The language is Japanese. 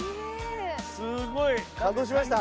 すごい。感動しました？